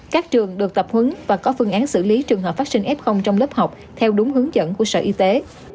các trường được tập huấn và có phương án xử lý trường hợp phát sinh f trong lớp học theo đúng hướng dẫn của sở y tế